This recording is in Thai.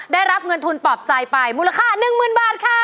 ได้รับเงินทุนปลอบใจไปมูลค่า๑๐๐๐บาทค่ะ